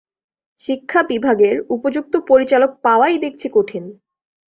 শিক্ষাবিভাগের উপযুক্ত পরিচালক পাওয়াই দেখছি কঠিন।